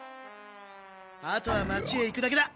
あとは町へ行くだけだ！